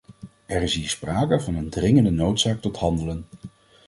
Er is hier sprake van een dringende noodzaak tot handelen.